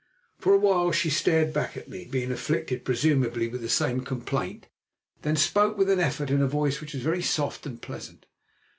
For a while she stared back at me, being afflicted, presumably, with the same complaint, then spoke with an effort, in a voice that was very soft and pleasant.